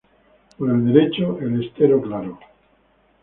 Por el derecho, el estero Claro.